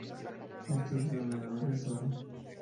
Estos denominadores son